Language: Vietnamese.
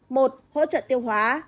một hỗ trợ tiêu hóa